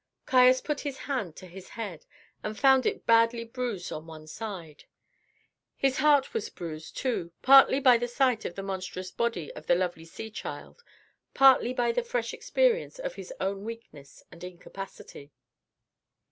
Caius put his hand to his head, and found it badly bruised on one side. His heart was bruised, too, partly by the sight of the monstrous body of the lovely sea child, partly by the fresh experience of his own weakness and incapacity.